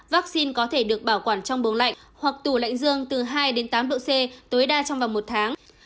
vaccine có thể được bảo quản trong bầu lạnh hoặc tủ lạnh dương từ hai đến tám độ c tối đa trong vòng một tháng